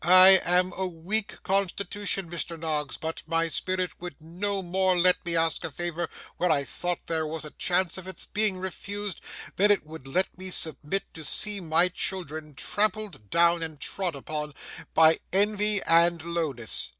I am a weak constitution, Mr. Noggs, but my spirit would no more let me ask a favour where I thought there was a chance of its being refused, than it would let me submit to see my children trampled down and trod upon, by envy and lowness!